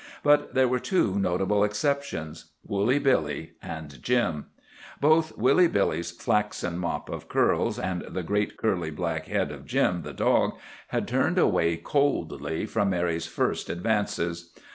But there were two notable exceptions—Woolly Billy and Jim. Both Woolly Billy's flaxen mop of curls and the great curly black head of Jim, the dog, had turned away coldly from Mary's first advances.